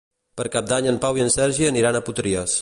Per Cap d'Any en Pau i en Sergi aniran a Potries.